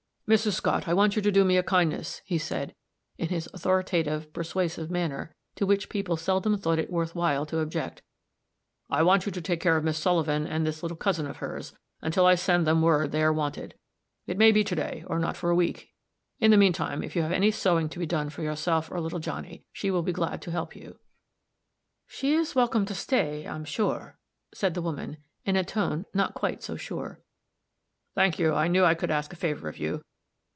"Mrs. Scott, I want you to do me a kindness," he said, in his authoritative, persuasive manner, to which people seldom thought it worth while to object. "I want you to take care of Miss Sullivan and this little cousin of hers, until I send them word they are wanted. It may be to day, or not for a week. In the mean time, if you have any sewing to be done for yourself or little Johnny, she will be glad to help you." "She's welcome to stay, I'm sure," said the woman, in a tone not quite so sure. "Thank you. I knew I could ask a favor of you.